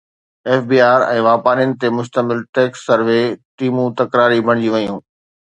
F B R ۽ واپارين تي مشتمل ٽيڪس سروي ٽيمون تڪراري بڻجي ويون